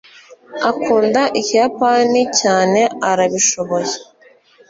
Akunda Ikiyapani, kandi arabishoboye.